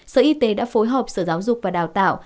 sở y tế đã phối hợp sở giáo dục và đào tạo